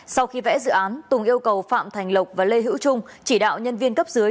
sau khi vẽ dự án tùng yêu cầu phạm thành lộc và lê hữu trung chỉ đạo nhân viên cấp dưới